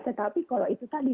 tetapi kalau itu tadi